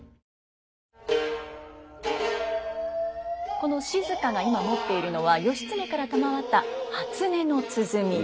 この静が今持っているのは義経から賜った初音の鼓。